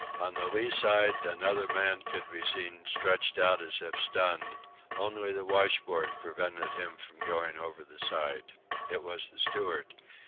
On the lee side another man could be seen stretched out as if stunned; only the washboard prevented him from going over the side. It was the steward.